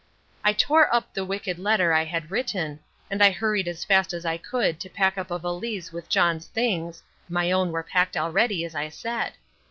I tore up the wicked letter I had written, and I hurried as fast as I could to pack up a valise with John's things (my own were packed already, as I said).